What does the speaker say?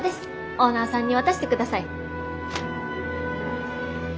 オーナーさんに渡してください。